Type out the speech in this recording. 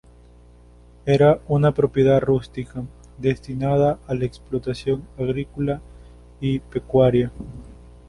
Era una propiedad rústica destinada a la explotación agrícola y pecuaria.